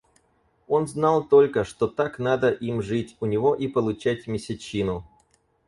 Он знал только, что так надо им жить у него и получать месячину.